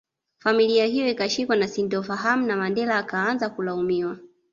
Familia hiyo ikashikwa na sintofahamu na Mandela akaanza kulaumiwa